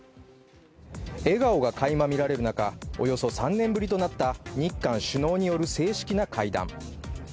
笑顔が垣間見られる中、およそ３年ぶりとなった日韓首脳による正式な会談。